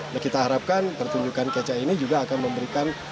dan kita harapkan pertunjukan kecah ini juga akan memberikan